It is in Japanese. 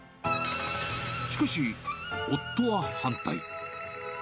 しかし、夫は反対。